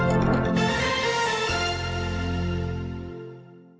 อีซ่ากูแทลนิวโชว์ค่ะสวัสดีค่ะ